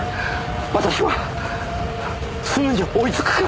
私はすぐに追いつくから。